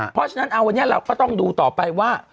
เพราะฉะนั้นเอาวันนี้เราก็ต้องดูต่อไปว่า